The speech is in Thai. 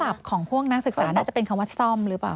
ของพวกนักศึกษาน่าจะเป็นคำว่าซ่อมหรือเปล่า